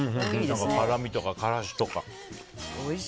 辛みとか、からしとか。